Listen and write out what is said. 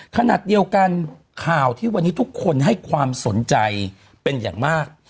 ขณะเดียวกันข่าวที่วันนี้ทุกคนให้ความสนใจเป็นอย่างมาก